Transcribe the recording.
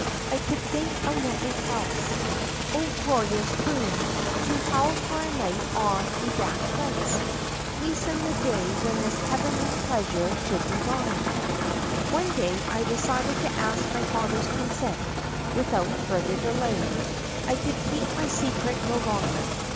I could think of nothing else. O glorious boon !— to howl for a night on a back fence ! Hasten the day when this heavenly pleasure should be mine ! "One day I decided to ask my father's consent without further delay. I could keep my secret no longer.